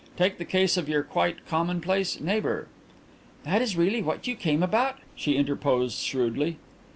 Take the case of your quite commonplace neighbour " "That is really what you came about?" she interposed shrewdly.